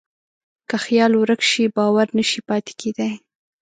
که خیال ورک شي، باور نهشي پاتې کېدی.